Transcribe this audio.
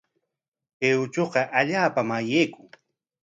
Kay uchuqa allaapam ayaykun.